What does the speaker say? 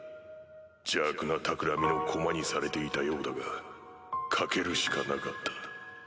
邪悪なたくらみの駒にされていたようだが賭けるしかなかった。